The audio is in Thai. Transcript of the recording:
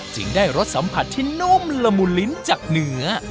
จึงได้รสสัมผัสที่นุ่มละมุนลิ้นจากเนื้อ